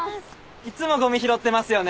いつもごみ拾ってますよね。